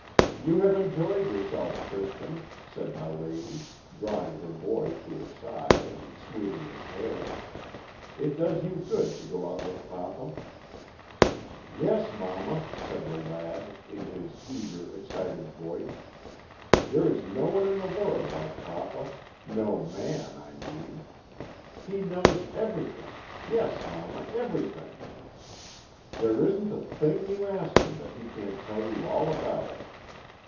"'You have enjoyed yourself, Christian,' said my lady, drawing her boy to her side, and smoothing his hair. 'It does you good to go out with papa.' "'Yes, mamma,' said the lad, in his eager, excited voice. 'There is no one in the world like papa no man, I mean. He knows everything yes, mamma, everything! There isn't a thing you ask him that he can't tell you all about it.